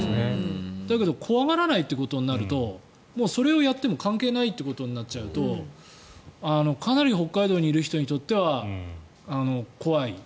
だけど怖がらないということになるとそれをやっても関係ないということになっちゃうとかなり北海道にいる人にとっては怖い。